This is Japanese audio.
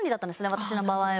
私の場合は。